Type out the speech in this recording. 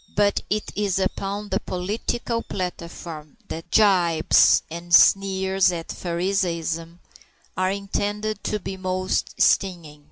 But it is upon the political platform that the gibes and sneers at Phariseeism are intended to be most stinging.